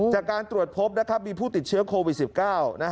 จากการตรวจพบมีผู้ติดเชื้อโควิด๑๙